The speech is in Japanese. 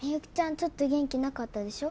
ちょっと元気なかったでしょ？